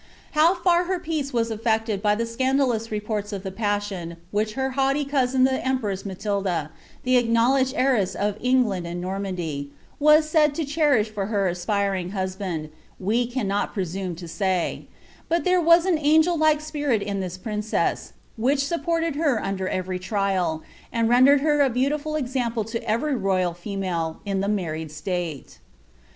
How far faerptMC was affected by the scandalous repoits of the passion which Iter haughty cousin the empress Matilda, the acknowledged heiress of England «od Normandy, was said lo cherish for her aspiring husband, we annoi presutne to say ; but there was an angel like spirit in this princess, wtiieii supported her under every trial, and rendered her a beautiful example la every royal female in the marriod state.